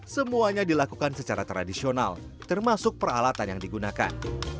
semuanya dilakukan secara tradisional termasuk peralatan yang digunakan